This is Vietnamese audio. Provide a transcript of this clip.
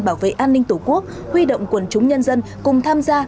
bảo vệ an ninh tổ quốc huy động quần chúng nhân dân cùng tham gia